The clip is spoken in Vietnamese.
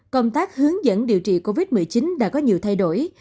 công tác hướng dẫn điều trị covid một mươi chín đã có nhiều thay đổi